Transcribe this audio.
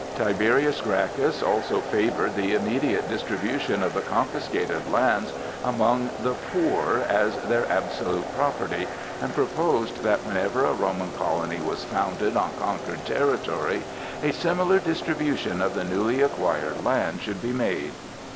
Tiberius Gracchus also favored the immediate distribution of the confiscated lands among the poor as their absolute property, and proposed that, whenever a Roman colony was founded on conquered territory, a similar distribution of the newly acquired land should be made.